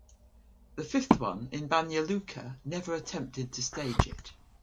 The fifth one, in Banja Luka, never attempted to stage it.